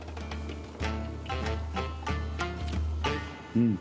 「うん。